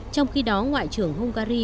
trong khi đó ngoại trưởng hungary